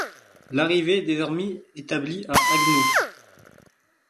L'arrivée est désormais établie à Haguenau.